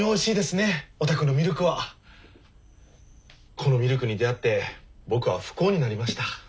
このミルクに出会って僕は不幸になりました。